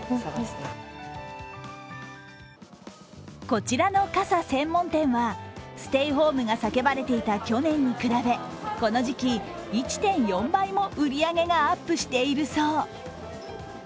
こちらの傘専門店は、ステイホームが叫ばれていた去年に比べこの時期、１．４倍も売り上げがアップしているそう。